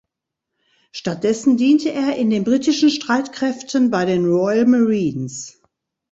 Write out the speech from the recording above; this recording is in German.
Stattdessen diente er in den britischen Streitkräften bei den Royal Marines.